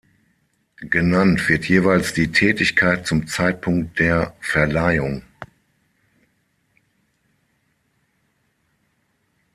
Genannt wird jeweils die Tätigkeit zum Zeitpunkt der Verleihung.